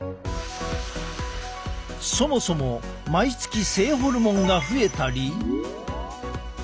そもそも毎月性ホルモンが増えたり。